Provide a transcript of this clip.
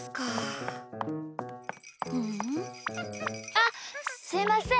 あっすいません！